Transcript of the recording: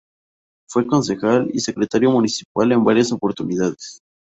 Fue Concejal y Secretario Municipal en varias oportunidades.